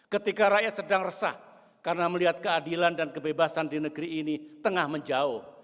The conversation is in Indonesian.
ketika rakyat sedang resah karena melihat keadilan dan kebebasan di negeri ini tengah menjauh